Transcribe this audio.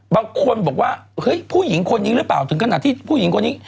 บางคนบอกว่าเฮ้ยผู้หญิงคนนี้หรือเปล่าถึงขนาดที่ผู้หญิงคนนี้